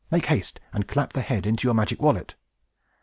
"Make haste, and clap the head into your magic wallet."